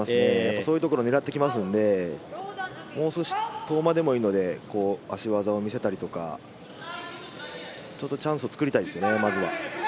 そういうところを狙ってきますので、もう少し遠間でもいいので足技を見せたりとか、ちょっとチャンスを作りたいですよね、まずは。